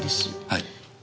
はい。